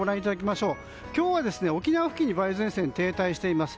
今日は、沖縄付近に梅雨前線が停滞しています。